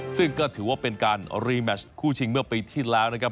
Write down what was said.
ซึ่งก็ถือว่าเป็นการรีแมชคู่ชิงเมื่อปีที่แล้วนะครับ